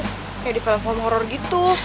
kayak di platform horror gitu